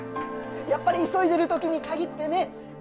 やっぱり急いでる時にかぎってね